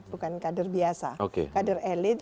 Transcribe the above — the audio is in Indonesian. bukan kader biasa kader elit